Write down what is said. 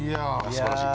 すばらしい。